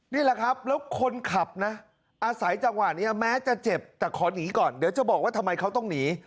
นี่แหละครับแล้วคนขับนะอาศัยจังหวะนี้แม้จะเจ็บแต่ขอหนีก่อนเดี๋ยวจะบอกว่าทำไมเขาต้องหนี